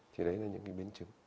thì đấy là những cái biến chứng